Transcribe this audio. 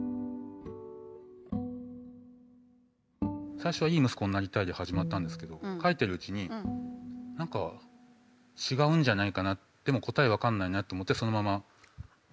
最初は「いい息子になりたい」で始まったんですけど書いてるうちに何か違うんじゃないかなでも答え分かんないなと思ってそのまま答えないまま終わってしまった。